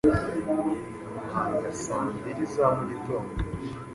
Muhanga saa mbiri za mu gitondo,